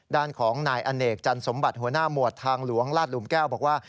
ด้านของนายอเนกจันสมบัติหัวหน้าหมวดทางหลวงลาดหลุมแก้วบอกว่า